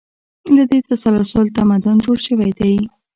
له دې تسلسل تمدن جوړ شوی دی.